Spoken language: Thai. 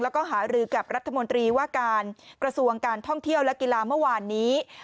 แล้วก็หารือกับรัฐมนตรีว่าการกระทรวงการท่องเที่ยวและกีฬาเมื่อวานนี้